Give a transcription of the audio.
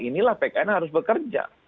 inilah pkn harus bekerja